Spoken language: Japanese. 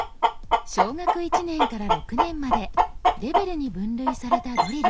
小学１年から６年までレベルに分類されたドリル。